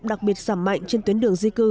đặc biệt giảm mạnh trên tuyến đường di cư